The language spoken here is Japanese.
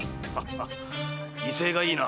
威勢がいいな。